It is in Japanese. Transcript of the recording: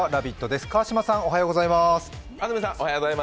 です、川島さん、おはようございます。